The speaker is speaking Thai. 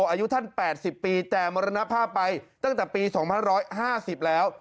อายุท่านแปดสิบปีแต่มรณภาพไปตั้งแต่ปีสองพันร้อยห้าสิบแล้ว